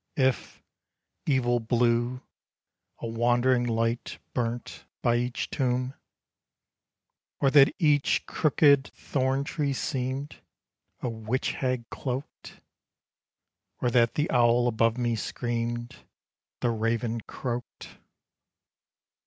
If, evil blue, a wandering light Burnt by each tomb! Or that each crookèd thorn tree seemed A witch hag cloaked! Or that the owl above me screamed, The raven croaked!